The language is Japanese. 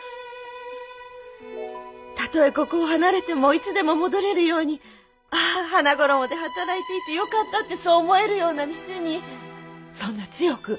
たとえここを離れてもいつでも戻れるように「ああ花ごろもで働いていてよかった」ってそう思えるような店にそんな強く大きな家に。